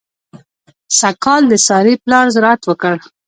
سږ کال د سارې پلار زراعت وکړ.